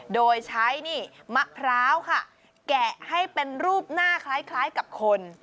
โดยใช้นี่มะพร้าวค่ะแกะให้เป็นรูปหน้าคล้ายกับคน